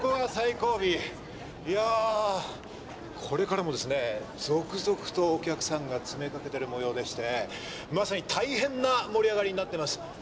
これからもですね続々とお客さんが詰めかけてるもようでしてまさに大変な盛り上がりになってます。